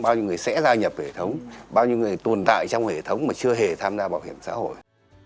bao nhiêu người sẽ gia nhập hệ thống bao nhiêu người tồn tại trong hệ thống mà chưa hề tham gia bảo hiểm xã hội